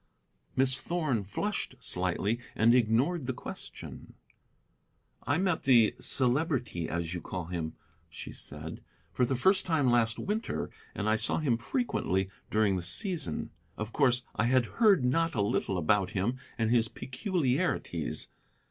Miss Thorn flushed slightly, and ignored the question. "I met the 'Celebrity,' as you call him," she said, "for the first time last winter, and I saw him frequently during the season. Of course I had heard not a little about him and his peculiarities.